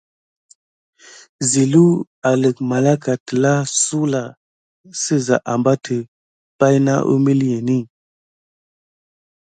Zilelou alik malaka tila zula sisa aɓeti pay na munilin.